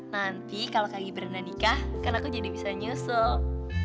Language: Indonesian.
nanti kalau kak gibran dan nikah kan aku jadi bisa nyusul